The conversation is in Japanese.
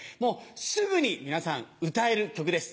すぐに皆さん歌える曲です。